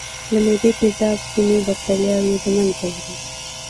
د معدې تیزاب ځینې بکتریاوې له منځه وړي.